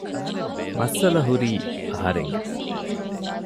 މައްސަލަ ހުރީ އަހަރެންގެ